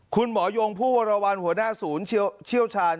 คุณหมอยงผู้วรวรรณหัวหน้าศูนย์เชี่ยวชาญ